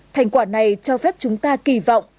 thành quả này cho phép chúng ta kỳ vọng